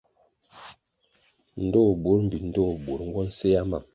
Ndtoh burʼ mbpi ndtoh burʼ bir nwo nsea mam.